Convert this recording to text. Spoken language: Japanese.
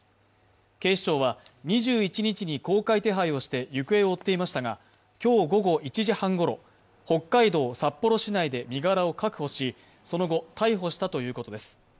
警視庁は２１日に公開手配をして行方を追っていましたが、今日午後１時半ごろ、北海道札幌市内で身柄を確保し、その後、逮捕したということです。